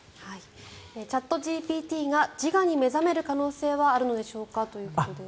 チャットＧＰＴが自我に目覚める可能性はあるのでしょうかということです。